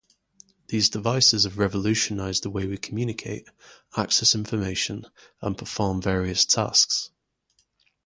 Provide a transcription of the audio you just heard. These devices have revolutionized the way we communicate, access information, and perform various tasks.